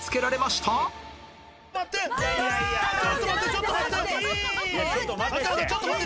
ちょっと待てって！